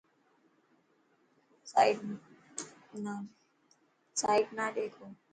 سائيٽ نا ڏيکو.